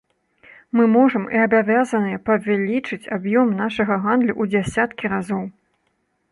Мы можам і абавязаныя павялічыць аб'ём нашага гандлю ў дзясяткі разоў.